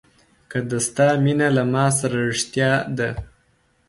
که د ستا مینه له ما سره رښتیا ده.